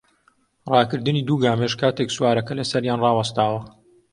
ڕاکردنی دوو گامێش کاتێک سوارەکە لەسەریان ڕاوەستاوە